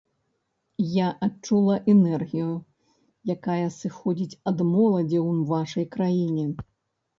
Я адчула энергію, якая сыходзіць ад моладзі ў вашай краіне.